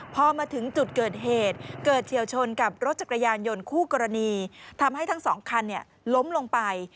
พอมาถึงจุดเกิดเหตุเกิดเฉียวชนกับรถจักรยานยนต์คู่กรณีทำให้ทั้งสองคันล้มลงไป